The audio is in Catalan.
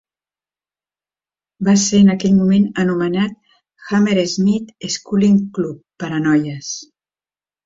Va ser en aquell moment anomenat Hammersmith Sculling Club per a noies.